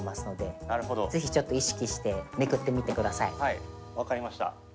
はい分かりました。